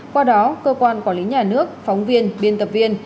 qua đó cơ quan quản lý nhà nước phóng viên biên tập viên